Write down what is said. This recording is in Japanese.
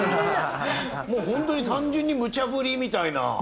もう本当に単純にむちゃ振りみたいな。